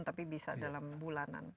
tapi bisa dalam bulanan